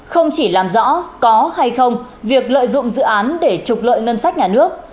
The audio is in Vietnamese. không chỉ làm rõ có hay không việc lợi dụng dự án để trục lợi ngân sách nhà nước